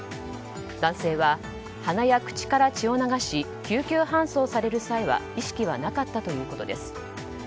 男性は鼻や口から血を流し救急搬送される際は意識はなかったということです。